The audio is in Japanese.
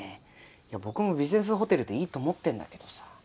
いや僕もビジネスホテルでいいと思ってんだけどさぁ。